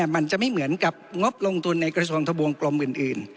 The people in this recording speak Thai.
มันจะไม่เหมือนกับงบลงทุนในกระทรวงทะวงกลมอื่น